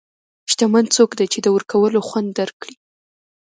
شتمن څوک دی چې د ورکولو خوند درک کړي.